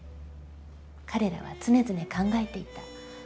彼らは常々考えていた。